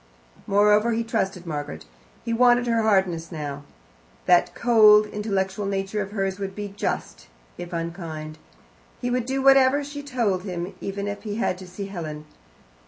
Moreover, he trusted Margaret. He wanted her hardness now. That cold, intellectual nature of hers would be just, if unkind. He would do whatever she told him, even if he had to see Helen.